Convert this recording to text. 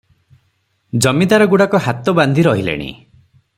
ଜମିଦାରଗୁଡ଼ାକ ହାତ ବାନ୍ଧି ରହିଲେଣି ।